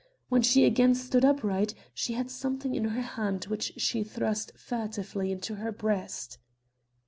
When she again stood upright, she had something in her hand which she thrust furtively into her breast."